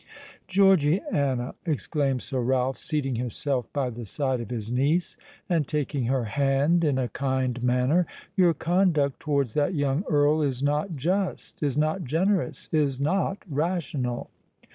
"Georgiana," exclaimed Sir Ralph, seating himself by the side of his niece, and taking her hand in a kind manner, "your conduct towards that young Earl is not just—is not generous—is not rational."